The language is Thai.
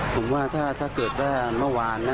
ผมว่าถ้าเกิดว่าเมื่อวานนะ